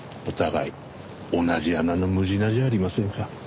お互い同じ穴の狢じゃありませんか。